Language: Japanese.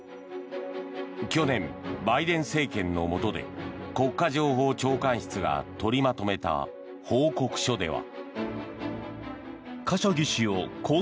去年、バイデン政権のもとで国家情報長官室が取りまとめた報告書では。